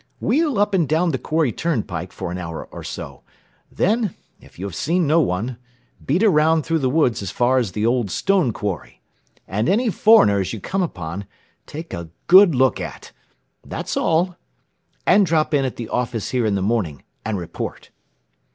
"Wheel up and down the quarry turnpike for an hour or so, then, if you have seen no one, beat around through the woods as far as the old stone quarry. And any foreigners you come upon, take a good look at. That's all. And drop in at the office here in the morning, and report."